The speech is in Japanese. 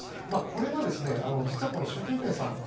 これは、実は習近平さん